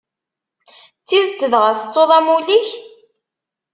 D tidet dɣa, tettuḍ amulli-k?